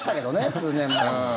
数年前に。